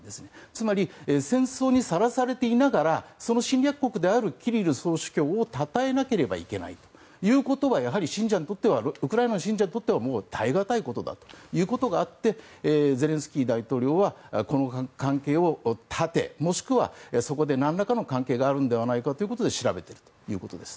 つまり戦争にさらされていながらその侵略国であるキリル総主教をたたえなければいけないということはやはりウクライナの信者にとってはもう耐え難いことだということがあってゼレンスキー大統領はこの関係を絶てもしくはそこでなんらかの関係があるのではないかということで調べているということです。